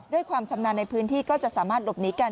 ความชำนาญในพื้นที่ก็จะสามารถหลบหนีกัน